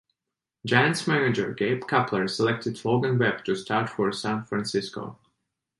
Giants manager Gabe Kapler selected Logan Webb to start for San Francisco.